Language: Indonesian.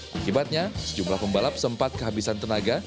akibatnya sejumlah pembalap sempat kehabisan tenaga